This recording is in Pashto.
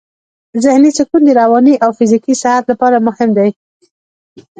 ذهني سکون د رواني او فزیکي صحت لپاره مهم دی.